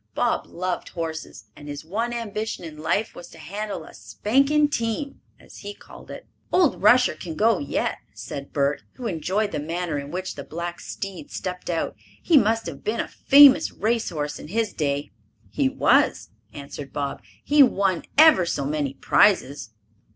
Bob loved horses, and his one ambition in life was to handle a "spanking team," as he called it. "Old Rusher can go yet," said Bert, who enjoyed the manner in which the black steed stepped out. "He must have been a famous race horse in his day." "He was," answered Bob. "He won ever so many prizes."